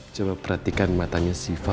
coba perhatikan matanya siva